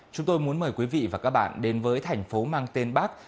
chúng tôi muốn mời quý vị và các bạn đến với thành phố mang tên bác